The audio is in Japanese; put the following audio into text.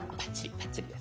バッチリです。